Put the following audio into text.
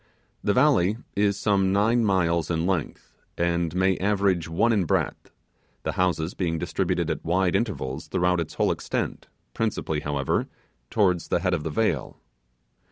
The valley is some nine miles in length, and may average one in breadth; the houses being distributed at wide intervals throughout its whole extent, principally, however, towards the head of the vale.